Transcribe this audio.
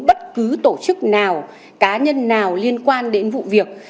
bất cứ tổ chức nào cá nhân nào liên quan đến vụ việc